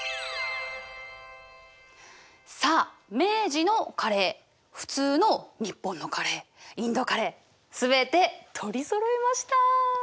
さあ明治のカレー普通の日本のカレーインドカレー全て取りそろえました。